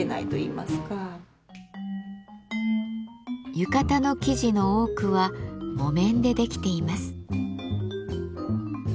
浴衣の生地の多くは木綿でできています。